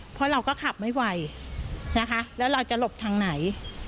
เพราะเราก็ขับไม่ไหวนะคะแล้วเราจะหลบทางไหน